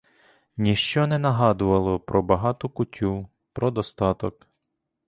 Ніщо не нагадувало про багату кутю, про достаток.